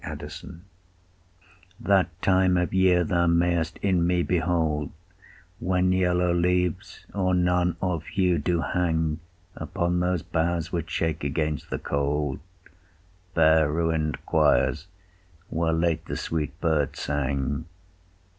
LXXIII That time of year thou mayst in me behold When yellow leaves, or none, or few, do hang Upon those boughs which shake against the cold, Bare ruin'd choirs, where late the sweet birds sang.